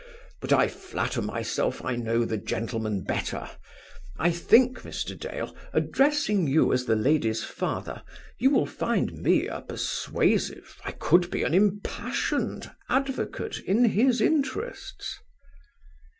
But I flatter myself I know the gentleman better. I think, Mr. Dale, addressing you as the lady's father, you will find me a persuasive, I could be an impassioned, advocate in his interests."